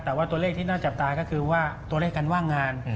แต่ว่าตัวเลขที่น่าจับตาก็คือว่าตัวเลขการว่างงาน